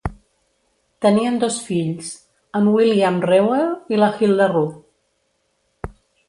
Tenien dos fills, en William Reuel i la Hilda Ruth.